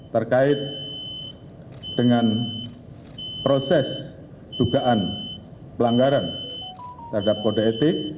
terkait dengan proses dugaan pelanggaran terhadap kode etik